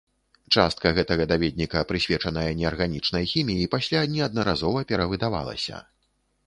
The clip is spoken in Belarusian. Частка гэтага даведніка, прысвечаная неарганічнай хіміі, пасля неаднаразова перавыдавалася.